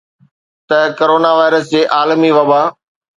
ته corona virus جي عالمي وبا